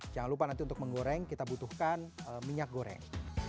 jangan lupa nanti untuk menggoreng kita butuhkan minyak goreng